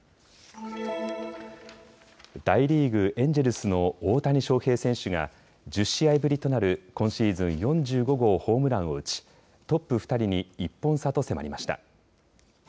大リーグ、エンジェルスの大谷翔平選手が１０試合ぶりとなる今シーズン４５号ホームランを打ちトップ２人に１本差と迫りました。